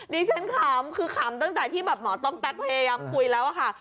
ดีเซ็นคล้ำคือคล้ำตั้งแต่ที่หมอต้องแตกพยายามคุยแล้วค่ะ